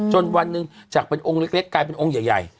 วันหนึ่งจากเป็นองค์เล็กกลายเป็นองค์ใหญ่